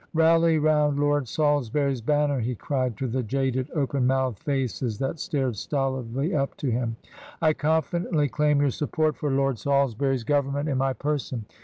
" Rally round Lord Salisbury's banner," he cried to the jaded, open mouthed faces that stared stolidly up to him. " I confidently claim your support for Lord Salis bury's Government in my person.